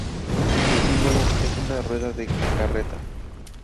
Su símbolo es una rueda de carreta.